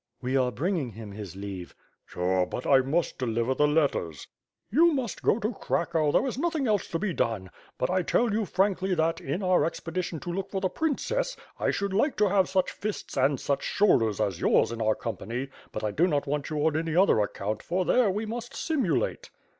"We are bringing him his leave." "Pshaw, but I must deliver the letters." "You must go to Cracow, there is nothing else to be done. But, I tell you frankly that, in our expedition to look for the princess, I should like to have such fists and such shoulders as yours in our company; but I do not want you on any other account, for there we must simulate.